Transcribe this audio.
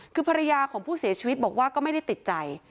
คือภรรยาของผู้เสียชีวิตบอกว่าก็ไม่ได้ติดใจ